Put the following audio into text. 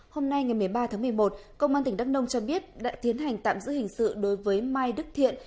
hôm nay ngày một mươi ba tháng một mươi một công an tỉnh đắk nông cho biết đã tiến hành tạm giữ hình sự đối với mai đức thiện